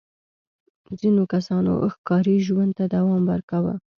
ځینو کسانو ښکاري ژوند ته دوام ورکاوه.